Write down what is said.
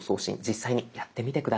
実際にやってみて下さい。